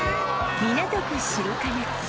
港区白金